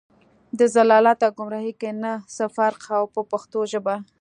ضلالت او ګمراهۍ کې نه څه فرق و په پښتو ژبه.